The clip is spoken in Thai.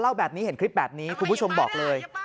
แบบนี้เห็นคลิปแบบนี้คุณผู้ชมบอกเลย